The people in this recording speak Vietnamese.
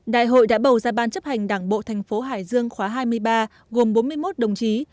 đại hội đã bầu ra ban chấp hành đảng bộ thành phố hải dương khóa hai mươi ba gồm bốn mươi một đồng chí